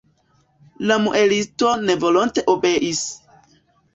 La muelisto nevolonte obeis.